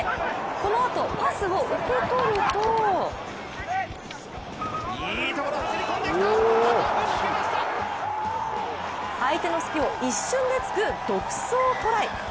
このあとパスを受け取ると相手の隙を一瞬で突く独走トライ。